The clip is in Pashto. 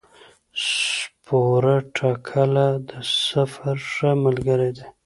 سپوره ټکله د سفر ښه ملګری دی.